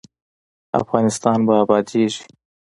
افغانستان به ابادیږي؟